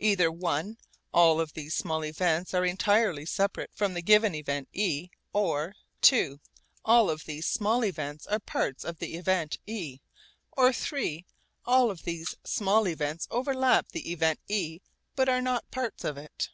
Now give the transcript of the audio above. Either (i) all of these small events are entirely separate from the given event e, or (ii) all of these small events are parts of the event e, or (iii) all of these small events overlap the event e but are not parts of it.